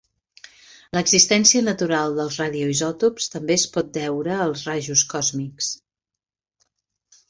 L'existència natural dels radioisòtops també es pot deure als rajos còsmics.